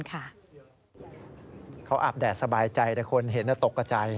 เขาอาบแดดสบายใจแต่คนเห็นตกกับใจ